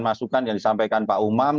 masukan yang disampaikan pak umam